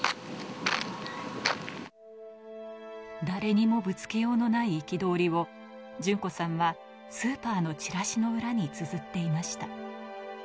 誰にもぶつけようのない憤りを順子さんはスーパーのチラシの裏につづっていました。